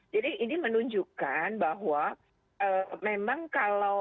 jadi ini menunjukkan bahwa memang kalau